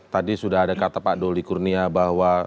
tadi sudah ada kata pak doli kurnia bahwa